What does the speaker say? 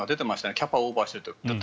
キャパオーバーしているって。